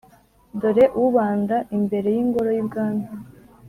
dore ubanda imbere y’ingoro y’ibwami.